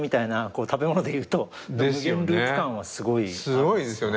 すごいですよね。